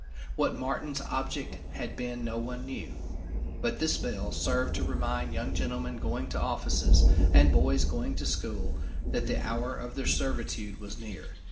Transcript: What Martin's object had been no one now knew but this bell served to remind young gentlemen going to offices, and boys going to school, that the hour of their servitude was near.